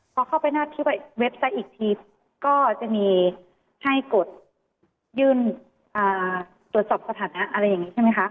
พอเข้าไปหน้าที่เว็บซะอีกทีก็จะมีให้กดยื่นตรวจสอบสถานะอะไรอย่างนี้ใช่ไหมคะ